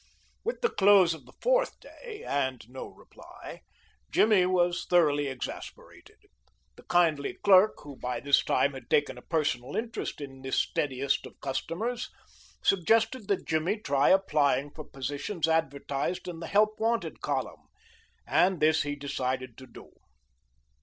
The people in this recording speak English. With the close of the fourth day, and no reply, Jimmy was thoroughly exasperated. The kindly clerk, who by this time had taken a personal interest in this steadiest of customers, suggested that Jimmy try applying for positions advertised in the Help Wanted column, and this he decided to do.